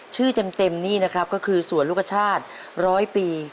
เต็มนี่นะครับก็คือสวนลูกชาติร้อยปี